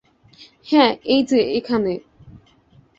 হ্যাঁ, এই যে এখানে।